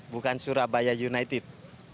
bukan surabaya united